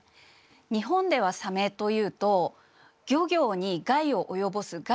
日本ではサメというと漁業に害を及ぼす害